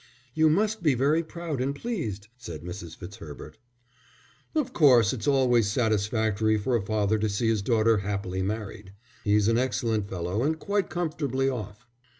"You must be very proud and pleased," said Mrs. Fitzherbert. "Of course it's always satisfactory for a father to see his daughter happily married. He's an excellent fellow and quite comfortably off."